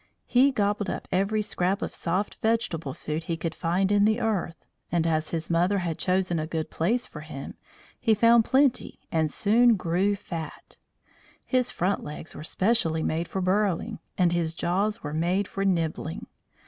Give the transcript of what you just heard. He gobbled up every scrap of soft vegetable food he could find in the earth, and as his mother had chosen a good place for him he found plenty and soon grew fat. His front legs were specially made for burrowing, and his jaws were made for nibbling.